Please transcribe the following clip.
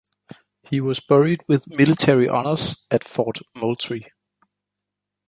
He was buried with military honors at Fort Moultrie.